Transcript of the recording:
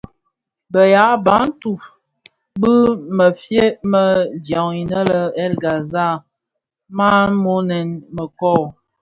Bë yaa Bantu (ya Bafia) bi mëfye më dyaň innë le bahr El Ghazal nnamonèn mëkoo.